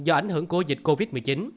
do ảnh hưởng của dịch covid một mươi chín